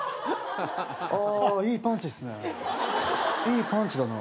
あいいパンチっすね。